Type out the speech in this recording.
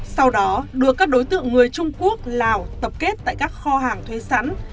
sau đó được các đối tượng người trung quốc lào tập kết tại các kho hàng thuê sắn